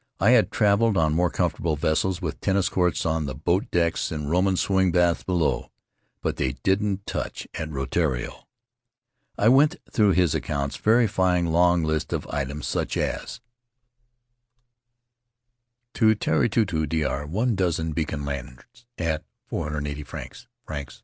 I had traveled on more comfortable vessels, with tennis courts on the boat decks and Roman swimming baths below — but they didn't touch at Rutiaro. I went through his accounts, verifying long lists of items, such as: To Terii Tuahu, Dr., 1 dozen beacon lanterns at 480 frs Frs.